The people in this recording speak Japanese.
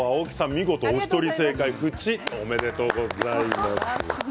見事お一人、正解、縁おめでとうございます。